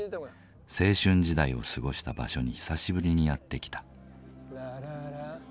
青春時代を過ごした場所に久しぶりにやって来た。